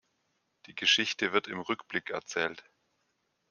Die Geschichte wird im Rückblick erzählt.